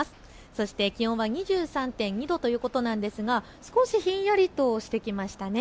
そして気温は２３．２度ということなんですが、少しひんやりとしてきました。